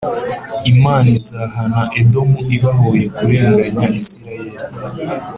Imana izahana Edomu ibahoye kurenganya Isirayeli